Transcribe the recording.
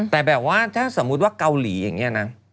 แต่แบบว่าถ้าสมมุติว่าเกาหลีอย่างนี้นะ